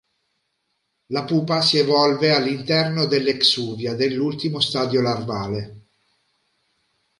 La pupa si evolve all'interno dell'exuvia dell'ultimo stadio larvale.